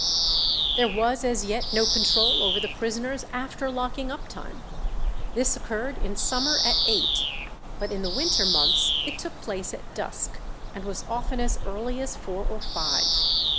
There was as yet no control over the prisoners after locking up time; this occurred in summer at eight, but in the winter months it took place at dusk, and was often as early as four or five.